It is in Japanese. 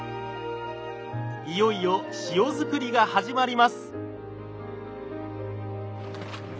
いよいよ塩づくりが始まります。